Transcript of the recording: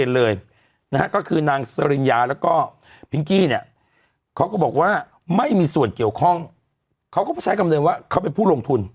เลยนะฮะก็คือนางเซอรินยาแล้วก็พิงกี้เนี่ยเขาก็บอกว่าไม่มีส่วนเกี่ยวข้องเขาก็ใช้คำเดินว่าเขาเป็นผู้ลงทุน